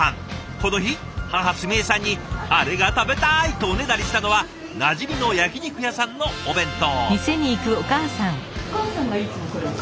この日母澄江さんにあれが食べたいとおねだりしたのはなじみの焼き肉屋さんのお弁当。